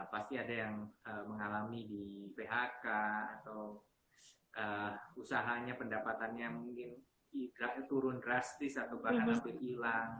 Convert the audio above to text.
pasti ada yang mengalami di phk atau usahanya pendapatannya mungkin turun drastis atau bahkan hampir hilang